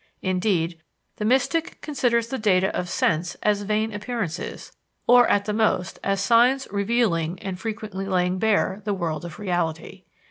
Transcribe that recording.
Indeed, the mystic considers the data of sense as vain appearances, or at the most as signs revealing and frequently laying bare the world of reality.